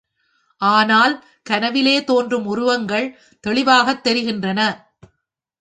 ஆனால் கனவிலே தோன்றும் உருவங்கள் தெளிவாகத் தெரிகின்றன.